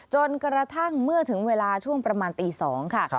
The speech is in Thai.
จนกระทั่งเมื่อถึงเวลาช่วงประมาณตี๒ค่ะ